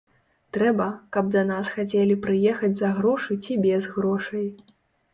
Трэба, каб да нас хацелі прыехаць за грошы ці без грошай.